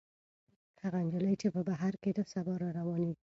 هغه نجلۍ چې په بهر کې ده، سبا راروانېږي.